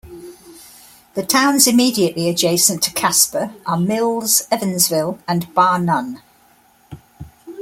The towns immediately adjacent to Casper are Mills, Evansville, and Bar Nunn.